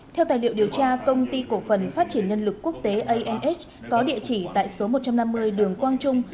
theo tài liệu điều tra công ty cổ phần phát triển nhân lực quốc tế anh có địa chỉ tại số một trăm năm mươi đường quang trung